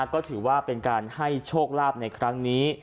ก็ถือว่าเป็นการให้โชคลาภในครั้งนี้